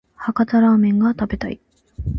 博多ラーメンが食べたい